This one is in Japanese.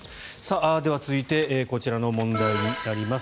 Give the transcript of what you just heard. では、続いてこちらの問題になります。